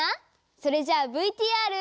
それじゃあＶＴＲ。